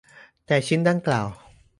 แต่ชิ้นดังกล่าว